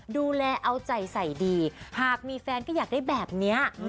ดูแลเอาใจใส่ดีหากมีแฟนก็อยากได้แบบนี้